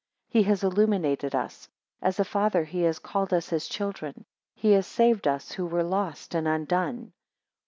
He has illuminated us; as a father, he has called us his children; he has saved us who were lost and undone.